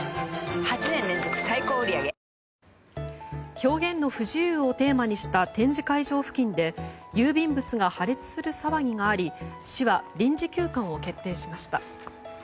「表現の不自由」をテーマにした展示会場付近で郵便物が破裂する騒ぎがあり市は臨時休館を決定しました。